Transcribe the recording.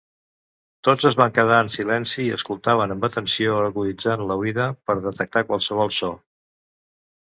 Tots es van quedar en silenci i escoltaven amb atenció, aguditzant la oïda per detectar qualsevol so.